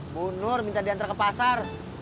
bu nur minta diantar ke pasar